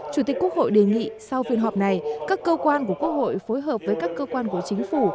chủ tịch quốc hội đề nghị sau phiên họp này các cơ quan của quốc hội phối hợp với các cơ quan của chính phủ